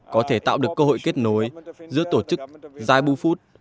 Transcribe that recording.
có thể tạo được cơ hội kết nối giữa tổ chức ziboo food